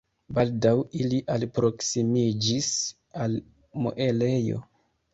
Baldaŭ ili alproksimiĝis al muelejo.